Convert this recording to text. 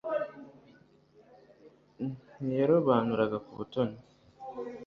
ntiyarobanuraga ku butoni